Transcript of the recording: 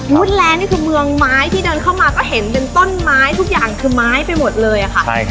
แลนดนี่คือเมืองไม้ที่เดินเข้ามาก็เห็นเป็นต้นไม้ทุกอย่างคือไม้ไปหมดเลยค่ะ